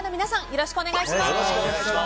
よろしくお願いします。